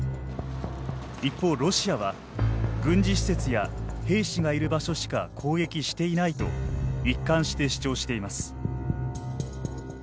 一方ロシアは軍事施設や兵士がいる場所しか攻撃していないと一貫して主張しています。